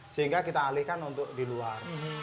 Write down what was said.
sehingga kita alihkan untuk di luar